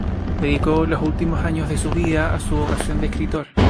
Dedicó los últimos años de su vida a su vocación de escritor.